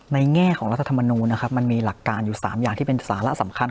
แง่ของรัฐธรรมนูลนะครับมันมีหลักการอยู่๓อย่างที่เป็นสาระสำคัญ